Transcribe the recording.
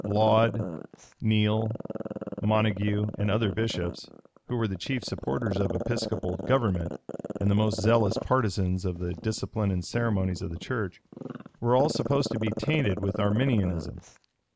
Laud, Neile, Montague, and other bishops, who were the chief supporters of Episcopal government, and the most zealous partisans of the discipline and ceremonies of the church, were all supposed to be tainted with Arminianism.